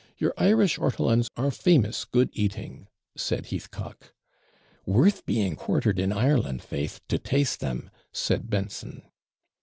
your Irish ortolans are famous good eating,' said Heathcock. 'Worth being quartered in Ireland, faith! to taste 'em,' said Benson.